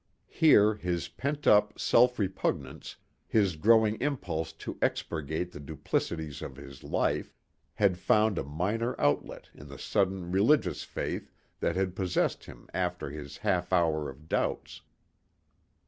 Here his pent up self repugnance, his growing impulse to expurgate the duplicities of his life, had found a minor outlet in the sudden religious faith that had possessed him after his half hour of doubts.